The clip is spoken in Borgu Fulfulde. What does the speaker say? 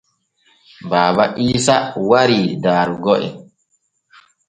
Baaba Iisa warii daarugo en.